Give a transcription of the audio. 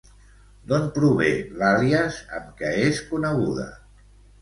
D'on prové l'àlies amb què és coneguda?